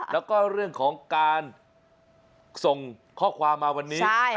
แล้วก็เรื่องของการส่งข้อความมาวันนี้